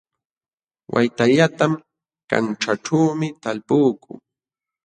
Waytallatam kanćhaaćhu talpukuu